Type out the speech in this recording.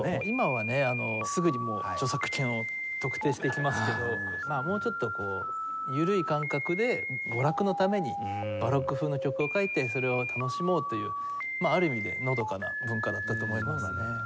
今はねすぐにもう著作権を特定していきますけどもうちょっと緩い感覚で娯楽のためにバロック風の曲を書いてそれを楽しもうというある意味でのどかな文化だったと思いますね。